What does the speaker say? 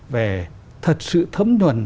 về thật sự thấm thuần